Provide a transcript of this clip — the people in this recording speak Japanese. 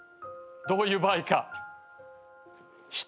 どういう場合か。